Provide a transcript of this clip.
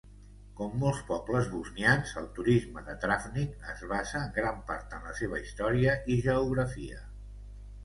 Com molts pobles bosnians, el turisme de Travnik es basa en gran part en la seva història i geografia.